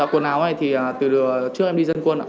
quần áo này thì từ trước em đi dân quân ạ